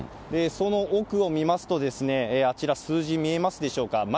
その奥を見ますと、あちら、数字見えますでしょうか。